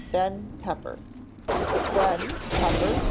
"Ben Pepper." "_Ben Pepper!